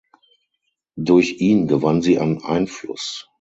Durch ihn gewann sie an Einfluss.